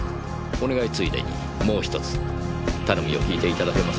お願いついでにもう１つ頼みを聞いていただけませんか？